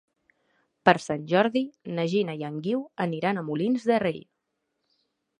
Per Sant Jordi na Gina i en Guiu aniran a Molins de Rei.